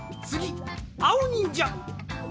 つぎあおにんじゃ！